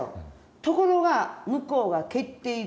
ところが向こうが蹴っていく。